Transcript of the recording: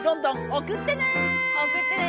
おくってね！